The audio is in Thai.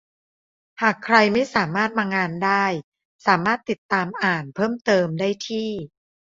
หากใครไม่สามารถมางานได้สามารถติดตามอ่านเพิ่มเติมได้ที่